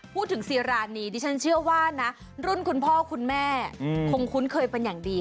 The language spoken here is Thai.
พูดถึงซีรานีดิฉันเชื่อว่านะรุ่นคุณพ่อคุณแม่คงคุ้นเคยเป็นอย่างดี